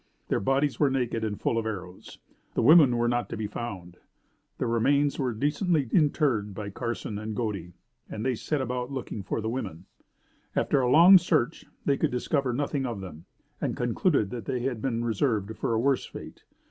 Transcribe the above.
Their bodies were naked and full of arrows. The women were not to be found. The remains were decently interred by Carson and Godey, and then they set about looking for the women. After a long search they could discover nothing of them, and concluded that they had been reserved for a worse fate.